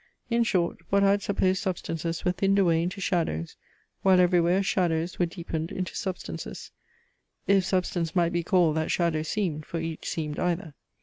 In short, what I had supposed substances were thinned away into shadows, while everywhere shadows were deepened into substances: If substance might be call'd that shadow seem'd, For each seem'd either!